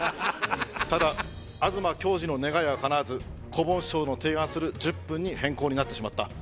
ただ東京二の願いはかなわずこぼん師匠の提案する１０分に変更になってしまった。